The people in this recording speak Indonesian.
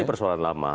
ini persoalan lama